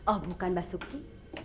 oh bukan mbak sukti